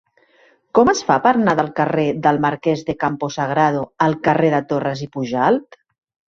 Com es fa per anar del carrer del Marquès de Campo Sagrado al carrer de Torras i Pujalt?